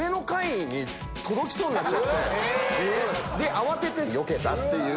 慌ててよけたっていう。